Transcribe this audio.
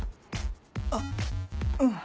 あっうん。